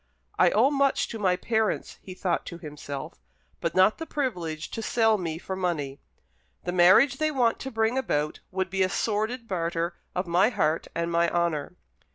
"I owe much to my parents," he thought to himself, "but not the privilege to sell me for money. The marriage they want to bring about would be a sordid barter of my heart and my honour."